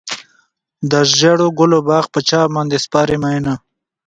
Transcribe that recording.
د ژړو ګلو باغ پر چا باندې سپارې مینه.